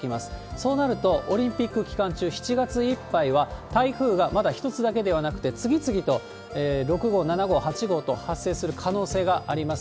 そうなると、オリンピック期間中、７月いっぱいは台風がまだ一つだけではなくて、次々と６号、７号、８号と発生する可能性があります。